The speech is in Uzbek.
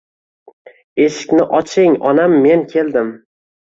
“eshikni oching onam men keldim”